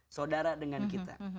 saudara dengan kita